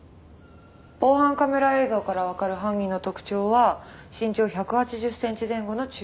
防犯カメラ映像からわかる犯人の特徴は身長１８０センチ前後の中肉中背。